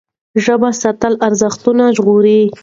ژبه ساتل ارزښتونه ژغوري.